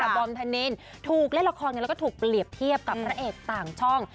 บอมธนินถูกเล่นละครแล้วก็ถูกเปรียบเทียบกับพระเอกต่างช่อง